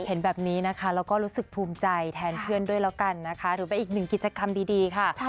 เห็นแบบนี้นะคะแล้วก็รู้สึกภูมิใจแทนเพื่อนด้วยแล้วกันนะคะหรือเป็นอีกหนึ่งกิจกรรมดีค่ะ